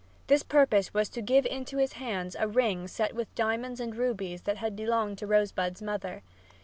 This purpose was to give into his hands a ring set with diamonds and rubies that had belonged to Rosebud's mother.